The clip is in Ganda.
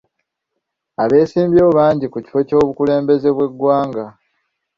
Abesimbyewo bangi ku kifo ky'obukulembeze bw'eggwanga..